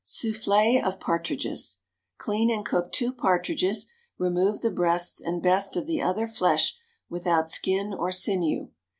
Soufflé of Partridges. Clean and cook two partridges; remove the breasts and best of the other flesh without skin or sinew.